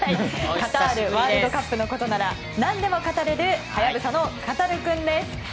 カタールワールドカップのことなら何でも語れるハヤブサのカタルくんです。